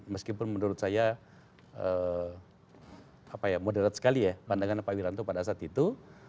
meskipun menurut saya moderat sekali ya pandangan pak wiranto pada saat itu